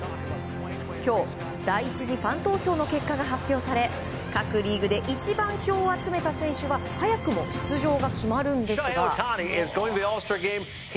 今日、第１次ファン投票の結果が発表され各リーグで一番票を集めた選手は早くも出場が決まるんですが。